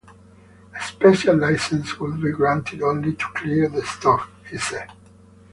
A special license would be granted only to clear the stock, he said.